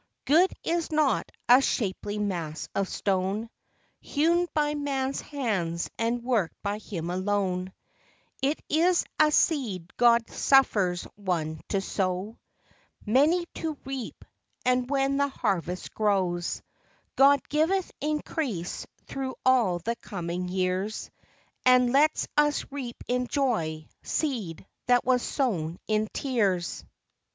Good is not a shapely mass of stone, Hewn by man's hands and worked by him alone; It is a seed God suffers one to sow, Many to reap ; and when the harvest grows, God giveth increase through all the coming years,— And lets us reap in joy, seed that was sown in tears. 202 FROM QUEENS' GARDENS.